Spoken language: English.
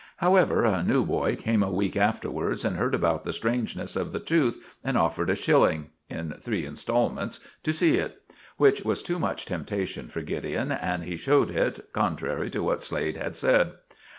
However, a new boy came a week afterwards and heard about the strangeness of the tooth, and offered a shilling, in three instalments, to see it; which was too much temptation for Gideon, and he showed it, contrary to what Slade had said.